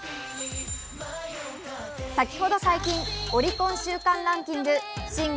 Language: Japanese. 先ほど解禁、オリコン週間ランキング